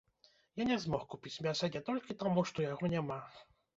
Я не змог купіць мяса не толькі таму, што яго няма.